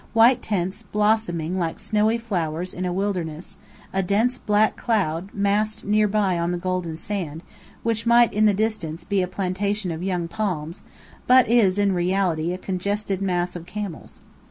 White tents blossoming like snowy flowers in a wilderness; a dense black cloud, massed near by on the golden sand, which might in the distance be a plantation of young palms, but is in reality a congested mass of camels.